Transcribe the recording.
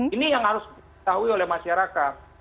ini yang harus diketahui oleh masyarakat